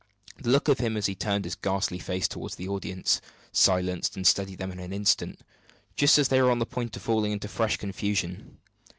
The look of him, as he turned his ghastly face toward the audience, silenced and steadied them in an instant, just as they were on the point of falling into fresh confusion.